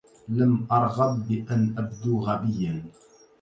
لم أرغب بأن أبدوا غبيا.